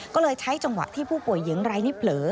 ก็เลยใช้จังหวะที่ผู้ป่วยเหยียงไร้นิเผลอ